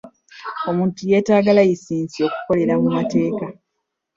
Omuntu yeetaaga layisinsi okukolera mu mateeka.